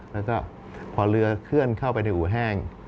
แล้วก็พอเรือเคลื่อนเข้าไปในอู่แห้ง